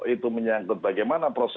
itu menyangkut bagaimana prosesnya